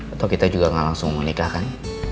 atau kita juga gak langsung menikahkan